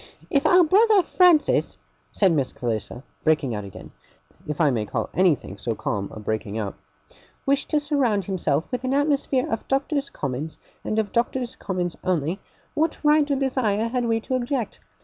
'If our brother Francis,' said Miss Clarissa, breaking out again, if I may call anything so calm a breaking out, 'wished to surround himself with an atmosphere of Doctors' Commons, and of Doctors' Commons only, what right or desire had we to object?